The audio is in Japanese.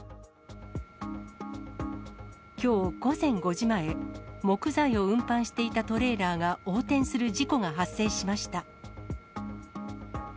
きょう午前５時前、木材を運搬していたトレーラーが横転する事故が発生しました。